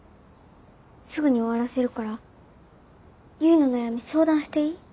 すぐに終わらせるから唯の悩み相談していい？